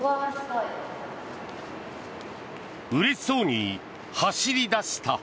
うれしそうに走り出した。